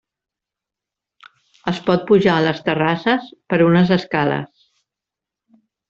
Es pot pujar a les terrasses per unes escales.